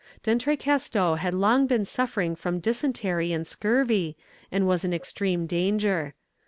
D'Entrecasteaux had long been suffering from dysentery and scurvy, and was in extreme danger.